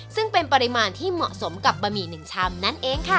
ซึ่งเป็นปริมาณที่เหมาะสมกับบะหมี่๑ชามนั่นเองค่ะ